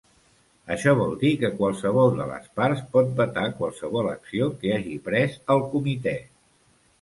Això vol dir que qualsevol de les parts pot vetar qualsevol acció que hagi pres el comitè.